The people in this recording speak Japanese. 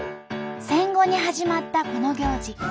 戦後に始まったこの行事。